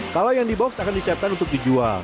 kalau yang di box akan disiapkan untuk dijual